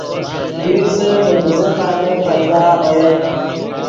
لیرسے دے ڤیزے قالب پیدا اویت